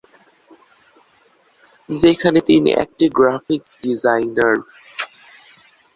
যেখানে তিনি একজন গ্রাফিক ডিজাইনার।